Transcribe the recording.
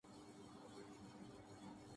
کل آپ ہماری طرف دعوت پر آرہے ہیں